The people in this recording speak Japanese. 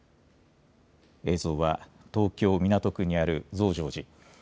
映像は東京港区にある増上寺。